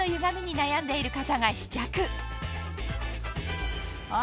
悩んでいる方が試着あ。